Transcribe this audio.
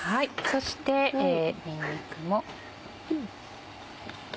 そしてにんにくも。